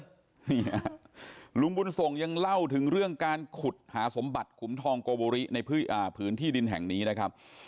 นี่ฮะลุงบุญส่งยังเล่าถึงเรื่องการขุดหาสมบัติขุมทองโกโบริในพื้นที่ดินแห่งนี้นะครับ